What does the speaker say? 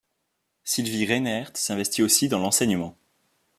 Sylvie Reynaert s’investit aussi dans l’enseignement.